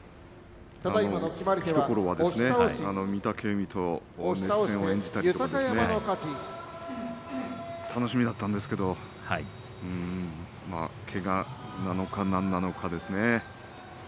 ひところはですね御嶽海と熱戦を演じて楽しみだったんですけれどけがなのか、何なのかですね。